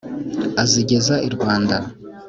azigeza i rwanda.